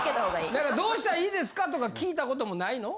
なんか「どうしたらいいですか？」とか聞いたこともないの？